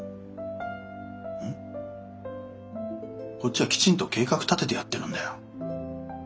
こっちはきちんと計画立ててやってるんだよ。